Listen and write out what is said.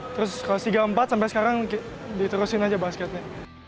terus kelas tiga empat sampai sekarang diterusin aja basketnya